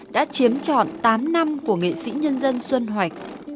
đã chiếm chọn tám năm của nghệ sĩ nhân dân xuân hoạch